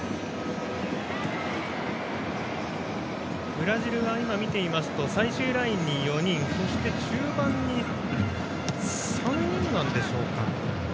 ブラジルは今、見ていますと最終ラインに４人そして中盤に３人なんでしょうか。